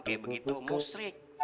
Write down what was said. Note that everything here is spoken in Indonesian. kayak begitu musrik